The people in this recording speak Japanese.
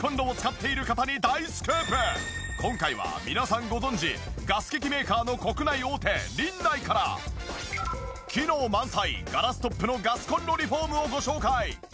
今回は皆さんご存じガス機器メーカーの国内大手リンナイから機能満載ガラストップのガスコンロリフォームをご紹介。